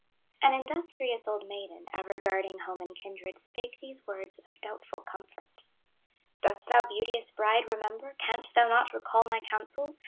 An industrious old maiden, Ever guarding home and kindred, Spake these words of doubtful comfort: "Dost thou, beauteous bride, remember, Canst thou not recall my counsels?